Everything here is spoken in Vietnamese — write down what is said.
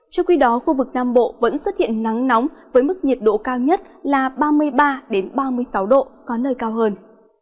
trong khi đó khu vực nam bộ vẫn xuất hiện nắng nóng với mức nhiệt độ cao nhất là ba mươi ba ba mươi sáu độ có nơi cao hơn